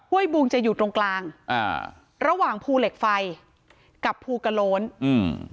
บุงจะอยู่ตรงกลางอ่าระหว่างภูเหล็กไฟกับภูกระโล้นอืม